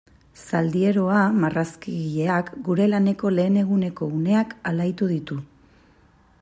Zaldieroa marrazkigileak gure laneko lehen eguneko uneak alaitu ditu.